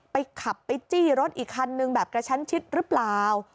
ไปขับไปจี้รถอีกคันนึงแบบกระชั้นชิดหรือเปล่า